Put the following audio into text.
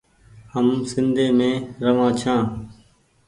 هم سنڌي روآن ڇآن ۔